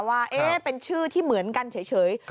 ว่าเป็นชื่อที่เหมือนกันเฉย